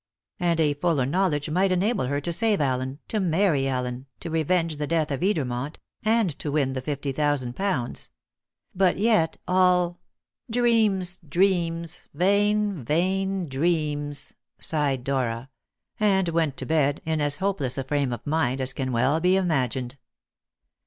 And a fuller knowledge might enable her to save Allen, to marry Allen, to revenge the death of Edermont, and to win the fifty thousand pounds. But yet, all "Dreams, dreams; vain, vain dreams!" sighed Dora, and went to bed in as hopeless a frame of mind as can well be imagined.